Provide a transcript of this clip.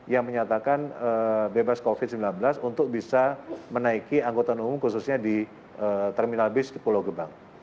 yang menyatakan bebas covid sembilan belas untuk bisa menaiki anggota umum khususnya di terminal bis di pulau gebang